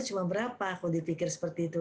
cuma berapa kalau dipikir seperti itu